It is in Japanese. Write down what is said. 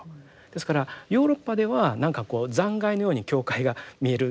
ですからヨーロッパでは何かこう残骸のように教会が見えるぐらいにですね